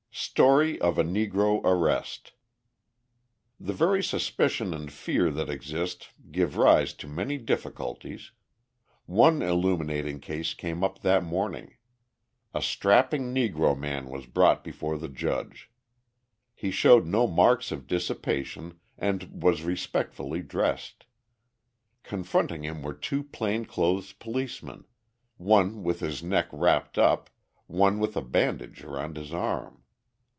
Story of a Negro Arrest The very suspicion and fear that exist give rise to many difficulties. One illuminating case came up that morning. A strapping Negro man was brought before the judge. He showed no marks of dissipation and was respectably dressed. Confronting him were two plain clothes policemen, one with his neck wrapped up, one with a bandage around his arm.